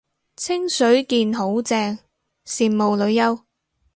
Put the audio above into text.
清水健好正，羨慕女優